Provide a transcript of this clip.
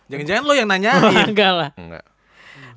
jangan jangan lu yang nanya aja